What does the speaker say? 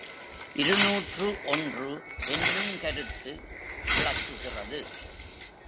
இருநூற்று ஒன்று என்னுங் கருத்து விளக்குகிறது.